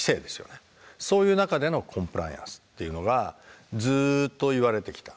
そういう中でのコンプライアンスっていうのがずっと言われてきた。